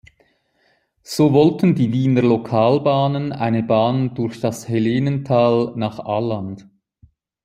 So wollten die Wiener Lokalbahnen eine Bahn durch das Helenental nach Alland.